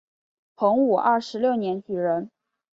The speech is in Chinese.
洪武二十六年举人。